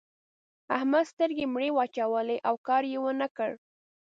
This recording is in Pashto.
احمد سترګې مړې واچولې؛ او کار يې و نه کړ.